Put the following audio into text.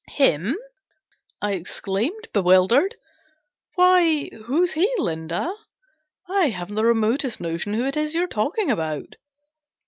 "Him/" I exclaimed, bewildered. "Why, who's he, Linda ? I haven't the remotest notion who it is you're talking about."